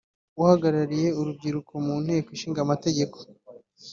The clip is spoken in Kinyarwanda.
uhagarariye urubyiruko mu Nteko Ishinga Amategeko